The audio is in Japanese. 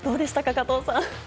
加藤さん。